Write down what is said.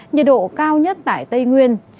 nhiệt độ cao nhất tại tây nguyên